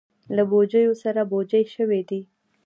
له بوجیو سره بوجۍ شوي دي.